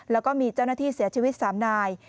แล้วก็มีเจ้าหน้าที่เสียชีวิต๓นาย